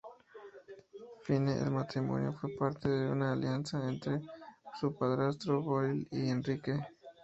Fine, el matrimonio fue parte de una alianza entre su padrastro Boril y Enrique.